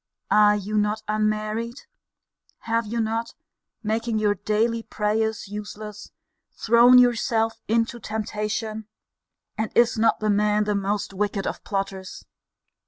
Are you not unmarried? Have you not (making your daily prayers useless) thrown yourself into temptation? And is not the man the most wicked of plotters?